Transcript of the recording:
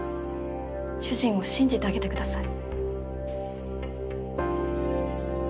主人を信じてあげてください。